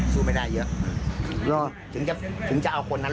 เสร็จก่อนไป